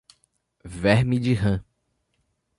Verme de rã